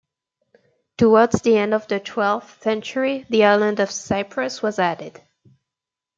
Towards the end of the twelfth century the island of Cyprus was added.